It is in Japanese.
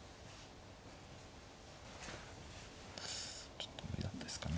ちょっと無理だったですかね。